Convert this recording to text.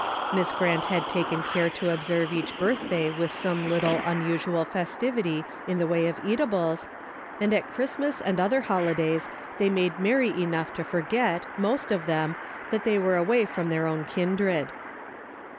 Miss Grant had taken care to observe each birthday with some little unusual festivity in the way of eatables, and at Christmas and other holidays they made merry enough to forget, most of them, that they were away from their own kindred.